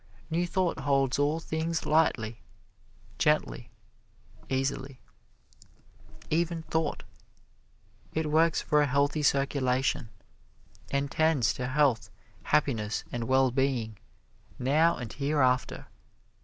New Thought holds all things lightly, gently, easily even thought. It works for a healthy circulation, and tends to health, happiness and well being now and hereafter.